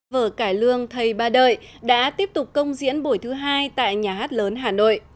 vở cải lương thầy ba đợi đã tiếp tục công diễn buổi thứ hai tại nhà hát lớn hà nội